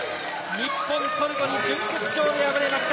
日本、トルコに準決勝で敗れました。